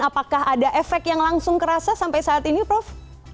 apakah ada efek yang langsung kerasa sampai saat ini prof